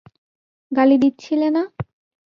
গালি দিচ্ছিলে না?